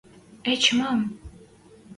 Эче мам?!